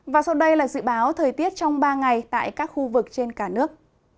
và sau đây là dự báo thời tiết trong ba ngày tại các khu vực trên cả nước